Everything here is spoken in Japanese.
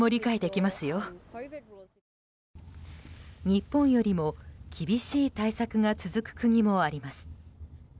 日本よりも厳しい対策が続く国もあります。